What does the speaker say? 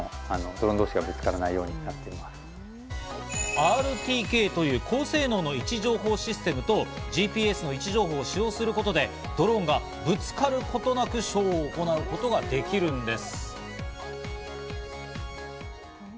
ＲＴＫという高性能の位置情報システムとＧＰＳの位置情報を使用することでドローンがぶつかることなく、ショーを行うことができるんです。